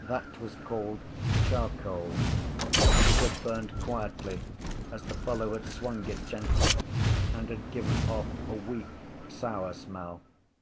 That was called charcoal: and it had burned quietly as the fellow had swung it gently and had given off a weak sour smell.